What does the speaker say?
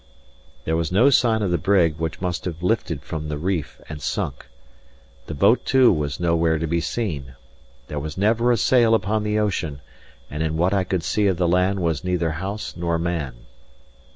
There was no sign of the brig, which must have lifted from the reef and sunk. The boat, too, was nowhere to be seen. There was never a sail upon the ocean; and in what I could see of the land was neither house nor man.